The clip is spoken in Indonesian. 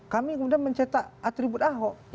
kami kemudian mencetak atribut ahok